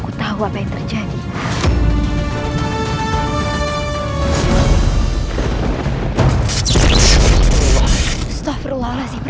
duk dapat bahan ini